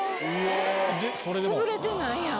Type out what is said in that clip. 潰れてないやん。